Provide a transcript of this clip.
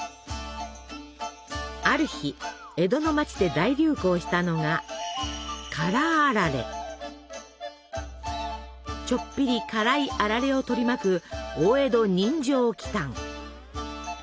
ある日江戸の町で大流行したのがちょっぴり辛いあられを取り巻く大江戸人情奇たん。